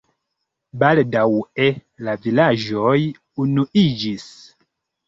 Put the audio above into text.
Baldaŭe la vilaĝoj unuiĝis.